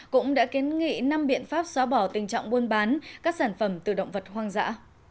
cũng đã kiến nghị năm biện pháp xóa bỏ tình trạng buôn bán các sản phẩm từ động vật hoang dã